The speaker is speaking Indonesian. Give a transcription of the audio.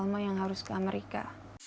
sekarang harus ke amerika